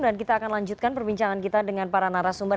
dan kita akan lanjutkan perbincangan kita dengan para narasumber